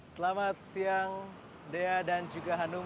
selamat siang dea dan juga hanum